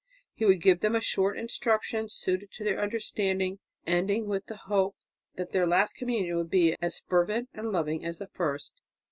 He would give them a short instruction suited to their understanding, ending with the hope that their last communion would be as fervent and loving as the first.